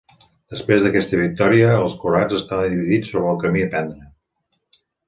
Després d'aquesta victòria, els croats estaven dividits sobre el camí a prendre.